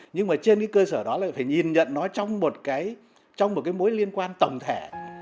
nhưng mà trên cái cơ sở đó là phải nhìn nhận nó trong một cái mối liên quan tổng thể